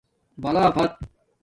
بلا فت